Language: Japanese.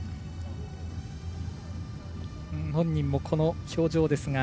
本人もこの表情ですが